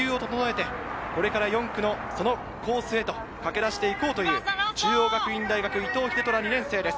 目をつぶって呼吸を整えて、これから４区のコースへと駆け出して行こうという中央学院大学・伊藤秀虎。